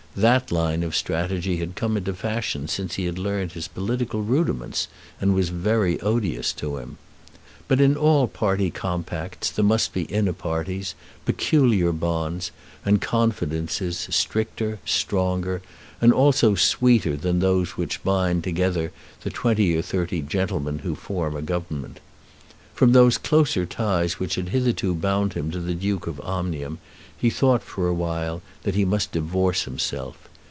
That line of strategy had come into fashion since he had learnt his political rudiments, and was very odious to him. But in all party compacts there must be inner parties, peculiar bonds, and confidences stricter, stronger, and also sweeter than those which bind together the twenty or thirty gentlemen who form a Government. From those closer ties which had hitherto bound him to the Duke of Omnium he thought, for a while, that he must divorce himself.